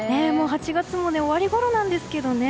８月も終わりごろなんですけどね。